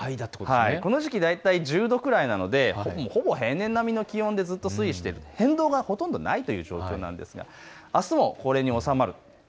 この時期、大体１０度くらいなのでほぼ平年並みの気温でずっと推移している、変動がほとんどないという状況なんですがあすもこれが収まる。